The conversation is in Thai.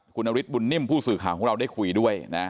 คุณนฤทธบุญนิ่มผู้สื่อข่าวของเราได้คุยด้วยนะ